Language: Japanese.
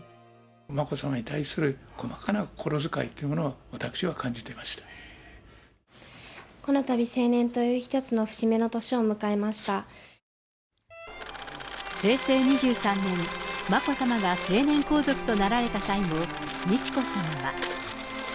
眞子さまに対する細かな心遣いというものを、私は感じていまこのたび、成年という一つの平成２３年、眞子さまが成年皇族となられた際も、美智子さまは。